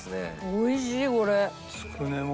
おいしいこれ！